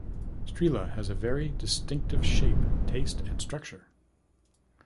Strela has a very distinctive shape, taste and structure.